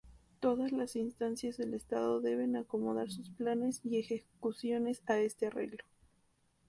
Todas las instancias del estado deben acomodar sus planes y ejecuciones a este arreglo.